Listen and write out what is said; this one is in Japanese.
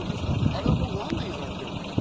あれはもう何年やられてるんですか？